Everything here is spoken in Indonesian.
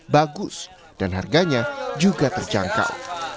bagus dan harganya juga terjangkau